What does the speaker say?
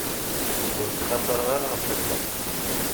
Ur ttxaṭareɣ ara ɣef akka.